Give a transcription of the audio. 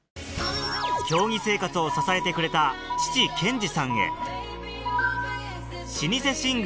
競技生活を支えてくれた父・健司さんへ老舗寝具